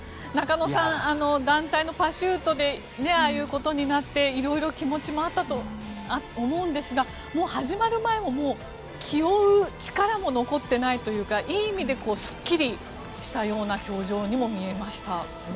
中野さん、団体のパシュートでああいうことになって、色々気持ちもあったと思うんですが始まる前も気負う力も残っていないというかいい意味ですっきりしたような表情にも見えました。